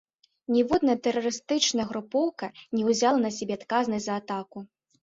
Ніводная тэрарыстычная групоўка не ўзяла на сябе адказнасць за атаку.